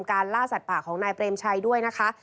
ล่าสัตว์ป่าของนายเปรมชัยด้วยนะคะ